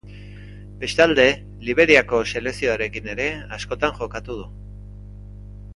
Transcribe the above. Bestalde, Liberiako selekzioarekin ere askotan jokatu du.